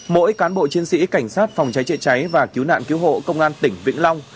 mỗi cán bộ chiến sĩ cảnh sát phòng cháy chữa cháy và cứu nạn cứu hộ công an tỉnh vĩnh long